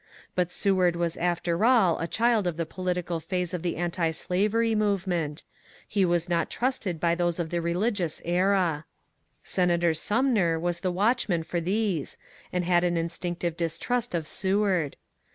But Seward was after all a child of the political phase of the antislavery movement; he was not trusted by those of the religious era. Senator Sumner was the watchman for these, and had an instinctive distrust of Seward.